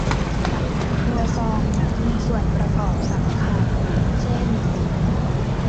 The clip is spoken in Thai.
ครัวซองมีส่วนประกอบสำคัญเช่น